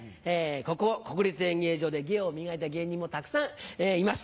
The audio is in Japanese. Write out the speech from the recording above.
ここ国立演芸場で芸を磨いた芸人もたくさんいます。